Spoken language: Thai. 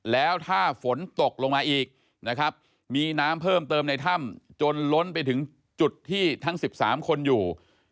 แล้วถ้าฝนตกลงมาอีกนะครับมีน้ำเพิ่มเติมในถ้ำจนล้นไปถึงจุดที่ทั้ง๑๓คนอยู่